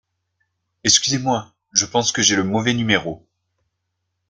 Excusez-moi, je pense que j’ai le mauvais numéro.